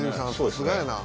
さすがやな」